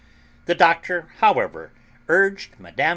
The Doctor, however, urged Mme.